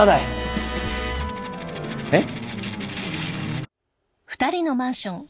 えっ？